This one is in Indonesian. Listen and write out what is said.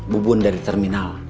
bubun dari terminal